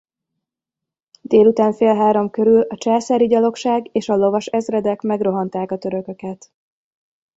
Délután fél három körül a császári gyalogság és a lovas ezredek megrohanták a törököket.